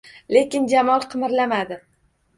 Lekin Jamol qimirlamadi